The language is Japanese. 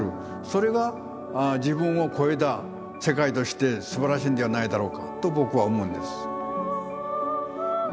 それが自分を超えた世界としてすばらしいんではないだろうかと僕は思うんです。